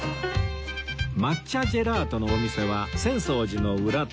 抹茶ジェラートのお店は浅草寺の裏手